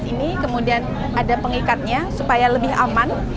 ini kemudian ada pengikatnya supaya lebih aman